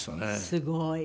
すごい。